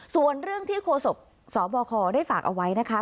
ส่วนเรื่องที่โฆษกสบคได้ฝากเอาไว้นะคะ